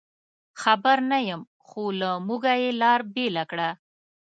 خبر نه یم، خو له موږه یې لار بېله کړه.